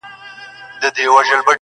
گرا ني خبري سوې پرې نه پوهېږم~